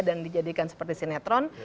dan dijadikan seperti sinetron